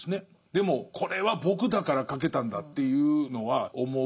でもこれは僕だから書けたんだっていうのは思うでしょうね。